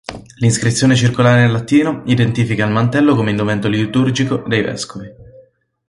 L'inscrizione circolare in latino identifica il mantello come indumento liturgico dei vescovi.